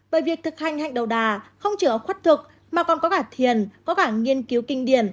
bởi việc thực hành hành đầu đà không chỉ có khoát thuật mà còn có cả thiền có cả nghiên cứu kinh điển